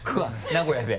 名古屋で。